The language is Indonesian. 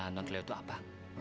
monyak leu itu apa